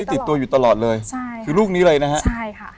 ที่ติดตัวอยู่ตลอดเลยเป็นลูกนี้เลยนะฮะ